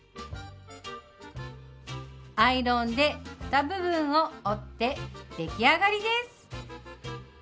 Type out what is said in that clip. アイロンでふた部分を折って出来上がりです！